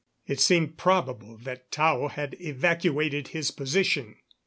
It seemed probable that Tao had evacuated his position.